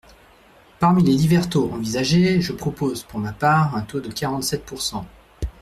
Parmi les divers taux envisagés, je propose pour ma part un taux de quarante-sept pourcent.